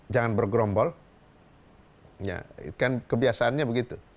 jangan bergerombol kan kebiasaannya begitu